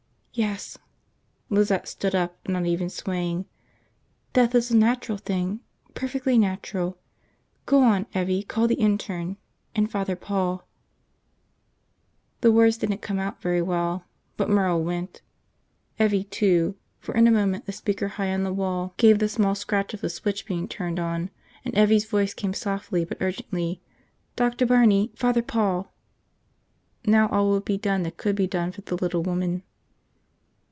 "Yes." Lizette stood up, not even swaying. "Death is a natural thing, perfectly natural. Go on, Evvie, call the intern. And Father Paul." The words didn't come out very well. But Merle went. Evvie, too, for in a moment the speaker high on the wall gave the small scratch of the switch being turned on and Evvie's voice came softly but urgently, "Dr. Barney. Father Paul." Now all would be done that could be done for the little woman.